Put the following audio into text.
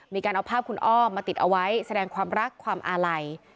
มีการเอาภาพคุณอ้อมมาติดเอาไว้แสดงความรักความอาลัย